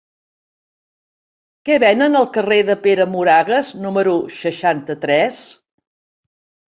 Què venen al carrer de Pere Moragues número seixanta-tres?